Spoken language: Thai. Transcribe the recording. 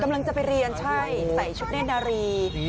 กำลังจะไปเรียนใช่ใส่ชุดเน่นนารี